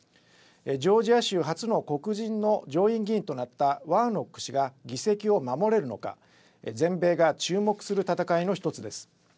ジョージア州初の黒人の上院議員となったワーノック氏が議席を守れるのか全米が注目する戦いの１つです。